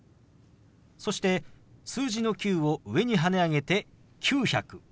そして数字の「９」を上にはね上げて「９００」。